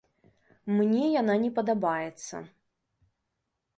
Мне яна не падабаецца.